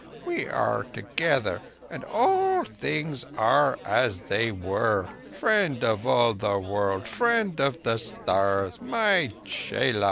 We are together, and all things are as they were—Friend of all the World—Friend of the Stars—my _chela!